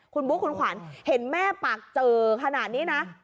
คุณบุ๊คคุณขวัญเห็นแม่ปากเจอขนาดนี้นะ